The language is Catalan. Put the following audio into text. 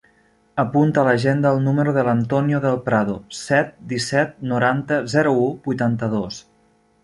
Apunta a l'agenda el número de l'Antonio Del Prado: set, disset, noranta, zero, u, vuitanta-dos.